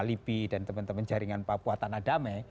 libi dan teman teman jaringan papua tanah dame